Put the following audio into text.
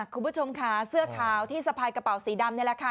คุณผู้ชมค่ะเสื้อขาวที่สะพายกระเป๋าสีดำนี่แหละค่ะ